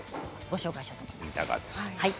ご紹介しようと思います。